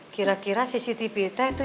kira kira cctv kita itu